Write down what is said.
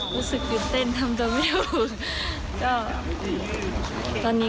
รู้สึกตื่นเต้นต้นพี่